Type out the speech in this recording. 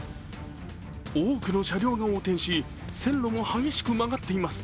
多くの車両が横転し、線路も激しく曲がっています。